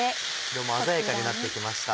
色も鮮やかになって来ました。